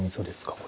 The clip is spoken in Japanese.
これ。